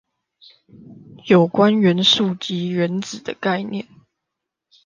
有關元素及原子的概念